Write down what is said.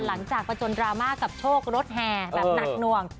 หลังจากประจนดราม่ากับโชครถแห่แบบหนักหน่วง